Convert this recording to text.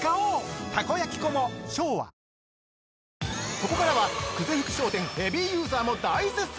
◆ここからは、久世福商店ヘビーユーザーも大絶賛！